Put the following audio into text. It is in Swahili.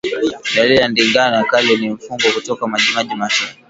Dalili ya ndigana kali ni mfugo kutokwa majimaji machoni